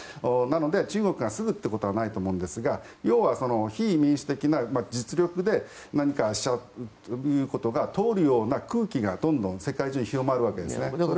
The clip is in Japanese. なので、中国がすぐということはないと思うんですが要は、非民主的な実力で何かしようということが通るような空気がどんどん世界中に広まるわけですね。